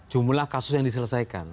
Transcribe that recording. jumlah kasus yang diselesaikan